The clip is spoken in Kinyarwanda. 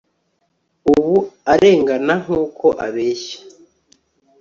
ubu arengana nkuko abeshya